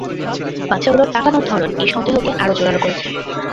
বাচ্চাগুলোর তাকানোর ধরন এই সন্দেহকে আরো জোরালো করেছে।